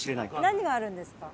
何があるんですか？